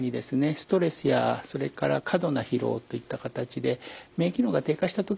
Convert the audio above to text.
ストレスやそれから過度な疲労といった形で免疫機能が低下した時にですね